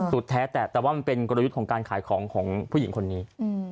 แท้แต่แต่ว่ามันเป็นกลยุทธ์ของการขายของของผู้หญิงคนนี้